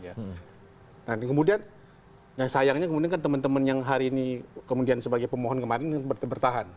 nah kemudian sayangnya kemudian kan teman teman yang hari ini kemudian sebagai pemohon kemarin bertahan